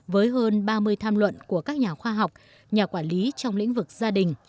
với hơn ba mươi tham luận của các nhà khoa học nhà quản lý trong lĩnh vực gia đình